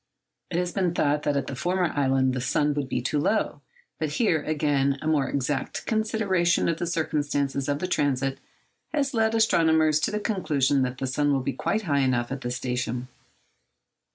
It had been thought that at the former island the sun would be too low; but here, again, a more exact consideration of the circumstances of the transit has led astronomers to the conclusion that the sun will be quite high enough at this station.